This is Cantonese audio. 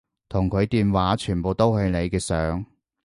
同佢電話全部都係你嘅相